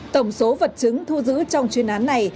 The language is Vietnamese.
tổng số vật chứng thu giữ trong chuyên án này